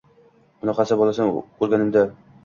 shunaqa bolasi o‘lganlarni ko‘rganimda...